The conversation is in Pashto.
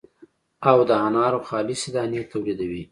او د انارو خالصې دانې تولیدوي.